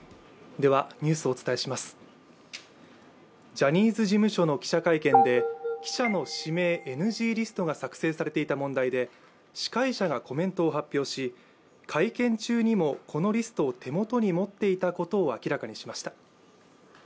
ジャニーズ事務所の記者会見で、記者の指名ＮＧリストが作成されていた問題で司会者がコメントを発表し会見中にもこのリストを手元に持っていたことを明らかにしました。